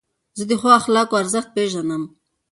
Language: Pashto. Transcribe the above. زه د ښو اخلاقو ارزښت پېژنم.